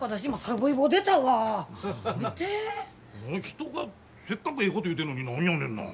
人がせっかくええこと言うてんのに何やねんな。